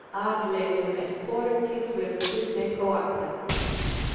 . ad letum et fortis virtute coacta."